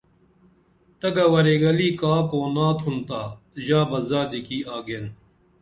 تگہ وریگَلی کا کونا تُھنتا ژا زادی کی آگین